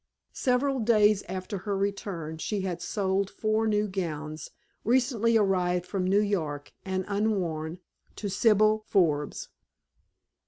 Several days after her return she had sold four new gowns, recently arrived from New York and unworn, to Sibyl Forbes.